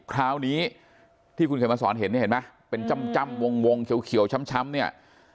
คราวนี้ที่คุณเคยมาสอนเห็นเนี้ยเห็นไหมเป็นจ้ำจ้ำวงวงเขียวเขียวช้ำช้ำเนี้ย